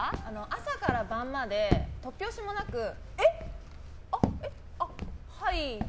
朝から晩まで突拍子もなくえっ？